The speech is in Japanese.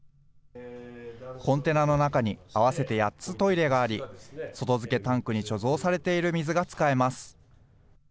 コンテナの中に合わせて８つトイレがあり、外付けタンクに貯蔵されている水が使えます。